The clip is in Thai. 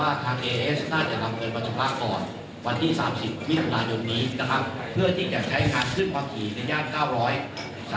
เพื่อที่จะใช้การขึ้นความถี่ในย่าน๙๐๐